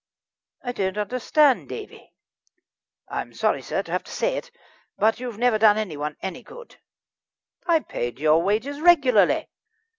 "I don't understand, Davie." "I'm sorry, sir, to have to say it; but you've never done anyone any good." "I paid you your wages regularly."